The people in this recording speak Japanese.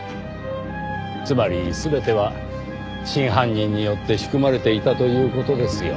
つまり全ては真犯人によって仕組まれていたという事ですよ。